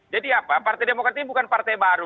jadi apa partai demokrati bukan partai baru